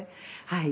はい。